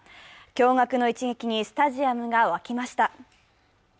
驚がくの一撃にスタジアムが沸きました。